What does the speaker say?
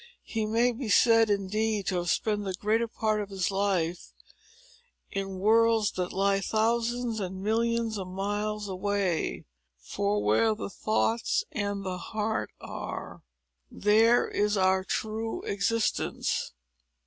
He may be said, indeed, to have spent the greater part of his life in worlds that lie thousands and millions of miles away; for where the thoughts and the heart are, there is our true existence.